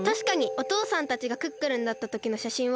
おとうさんたちがクックルンだったときのしゃしんは？